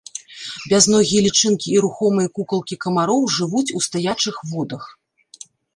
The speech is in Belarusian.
Бязногія лічынкі і рухомыя кукалкі камароў жывуць у стаячых водах.